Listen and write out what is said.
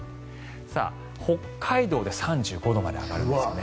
北海道で３５度まで上がるんですね。